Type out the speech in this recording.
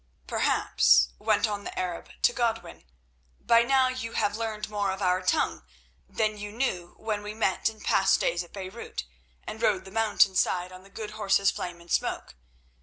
"Perhaps," went on the Arab to Godwin, "by now you have learned more of our tongue than you knew when we met in past days at Beirut, and rode the mountain side on the good horses Flame and Smoke.